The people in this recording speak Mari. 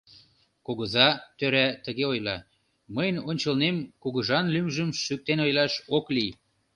Кугыза, тӧра тыге ойла: мыйын ончылнем кугыжан лӱмжым шӱктен ойлаш ок лий.